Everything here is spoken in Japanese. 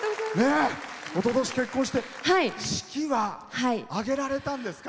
おととし結婚して式は挙げられたんですか？